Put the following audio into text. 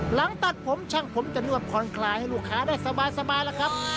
หลังตัดผมช่างผมจะนวดผ่อนคลายให้ลูกค้าได้สบายแล้วครับ